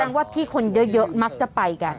ว่าที่คนเยอะมักจะไปกัน